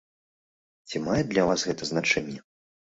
Ці мае для вас гэта значэнне?